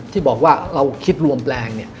ที่บอกว่าเราคิดรวมแปลง